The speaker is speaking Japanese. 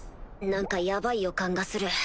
何かヤバい予感がする。